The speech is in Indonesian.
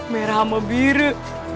merah sama biru